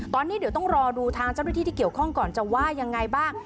ตอนนี้เดี๋ยวต้องรอดูทางเจ้าหน้าที่ที่เกี่ยวข้องก่อนจะว่ายังไงบ้าง